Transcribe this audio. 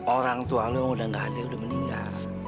orang tua lo udah nggak ada udah meninggal